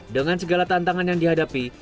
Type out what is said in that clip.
dengan segala tantangan yang dihadapi